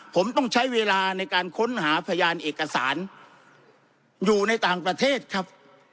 ผมต้องใช้เวลาในการค้นหาพยานเอกสารอยู่ในต่างประเทศครับ